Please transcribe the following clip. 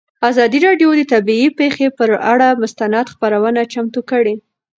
ازادي راډیو د طبیعي پېښې پر اړه مستند خپرونه چمتو کړې.